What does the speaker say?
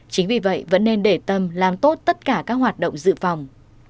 chính vì vậy vẫn nên để tâm làm tốt tất cả các hoạt động dự phòng